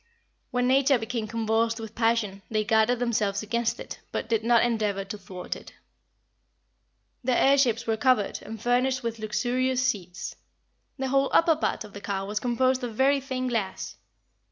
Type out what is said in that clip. When nature became convulsed with passion, they guarded themselves against it, but did not endeavor to thwart it. Their air ships were covered, and furnished with luxurious seats. The whole upper part of the car was composed of very thin glass.